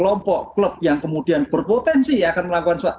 kelompok klub yang kemudian berpotensi akan melakukan